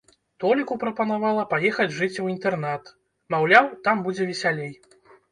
Толіку прапанавала паехаць жыць у інтэрнат, маўляў, там будзе весялей.